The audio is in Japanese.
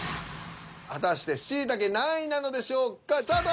果たしてしいたけ何位なのでしょうかスタート。